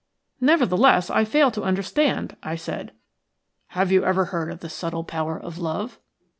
"Nevertheless, I fail to understand," I said. "Have you ever heard of the subtle power of love?"